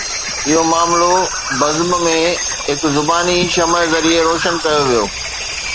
اهو معاملو بزم ۾ هڪ زباني شمع ذريعي روشن ڪيو ويو